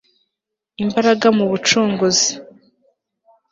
imbaraga mu bucunguzi